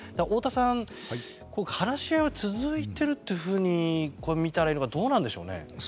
太田さん、話し合いは続いているというふうに見たらいいのかどうなんでしょうね。